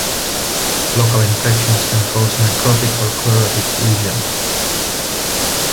Local infections can cause necrotic or chlorotic lesions.